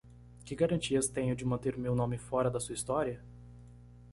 Que garantias tenho de manter o meu nome fora da sua história?